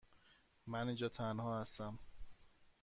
من اینجا تنها هستم.